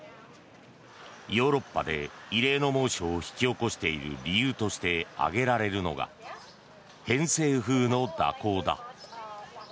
ヨーロッパで異例の猛暑を引き起こしている理由として挙げられるのが偏西風の蛇行だ。